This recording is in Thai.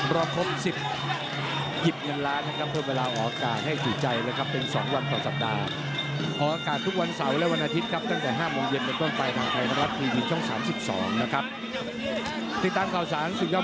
รอครบ๑๐กิตเงินล้านนะครับเพื่อเวลาออกอากาศให้สุดใจนะครับ